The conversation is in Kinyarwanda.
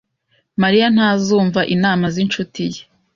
Mariya ntazumva inama z'inshuti ye.